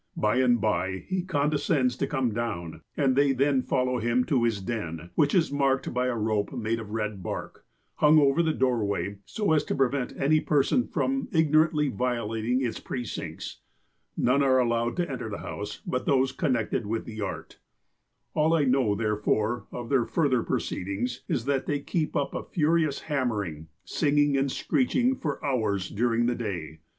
By and by he condescends to come down, and they then follow him to his den, which is marked by a rope made of red bark, hung over the doorway, so as to prevent any person from ignorantly violating its precincts. None are allowed to enter the house but those connected with the art. "All I know, therefore, of their further proceedings, is that they keep up a furious hammering, singing and screeching for hours during the day.